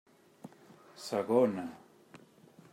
Segona.